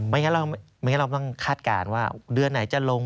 คุณต้องต้องคาดการว่าเดือนไหนจะลง